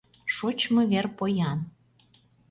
Шочмо вер поян.